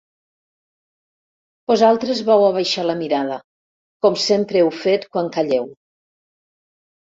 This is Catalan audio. Vosaltres vau abaixar la mirada, com sempre heu fet quan calleu.